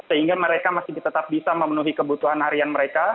sehingga mereka masih tetap bisa memenuhi kebutuhan harian mereka